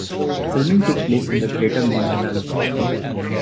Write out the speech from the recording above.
Filming took place in Greater Montreal.